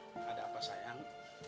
hai ah ada apa sayang